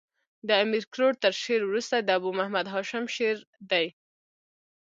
د امیر کروړ تر شعر وروسته د ابو محمد هاشم شعر دﺉ.